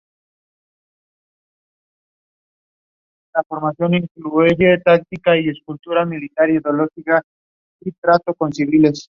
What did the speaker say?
Estos consejos, junto a los intendentes respectivos, integran los gobiernos regionales.